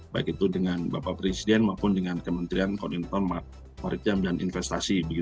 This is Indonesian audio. baik itu dengan bapak presiden maupun dengan kementerian koordinator maritim dan investasi